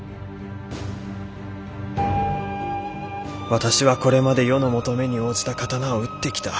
私はこれまで世の求めに応じた刀を打ってきた。